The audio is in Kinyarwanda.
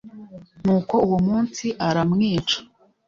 Nuko uwo munsi aramwica